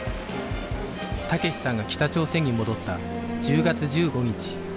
武志さんが北朝鮮に戻った１０月１５日